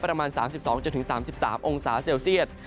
ประมาณ๓๒๓๓องศาเซลเซียต